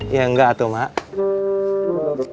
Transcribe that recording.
ya enggak tuh mak